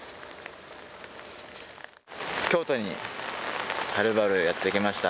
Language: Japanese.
京都にはるばるやって来ました。